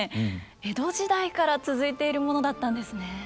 江戸時代から続いているものだったんですね。